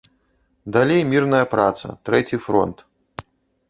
Далей мірная праца, трэці фронт.